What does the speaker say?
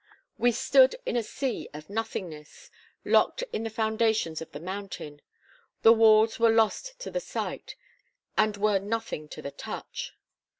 We stood in a sea of nothingness locked in the foundations of the mountain. The walls were lost to the sight, and were nothing to the touch.